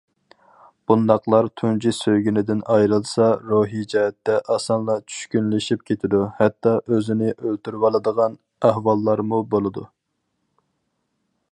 بۇنداقلار تۇنجى سۆيگىنىدىن ئايرىلسا، روھىي جەھەتتە ئاسانلا چۈشكۈنلىشىپ كېتىدۇ، ھەتتا ئۆزىنى ئۆلتۈرۈۋالىدىغان ئەھۋاللارمۇ بولىدۇ.